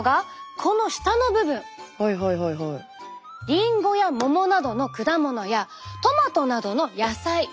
リンゴやモモなどの果物やトマトなどの野菜。